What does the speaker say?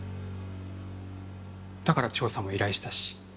だから調査も依頼したし。